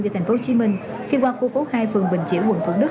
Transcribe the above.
đến tp hcm khi qua khu phố hai phường bình chiểu quận thủ đức